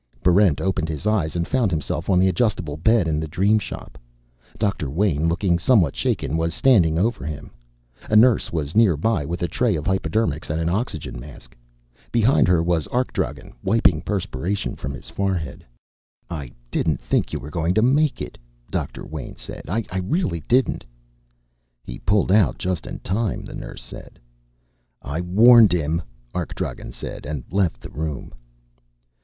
_" Barrent opened his eyes and found himself on the adjustable bed in the Dream Shop. Doctor Wayn, looking somewhat shaken, was standing over him. A nurse was near by with a tray of hypodermics and an oxygen mask. Behind her was Arkdragen, wiping perspiration from his forehead. "I didn't think you were going to make it," Doctor Wayn said. "I really didn't." "He pulled out just in time," the nurse said. "I warned him," Arkdragen said, and left the room.